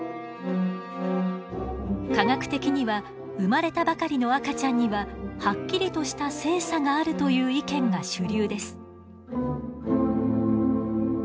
科学的には生まれたばかりの赤ちゃんにははっきりとした性差があるという意見が主流です。